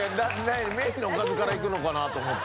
メインのおかずからいくのかなと思って。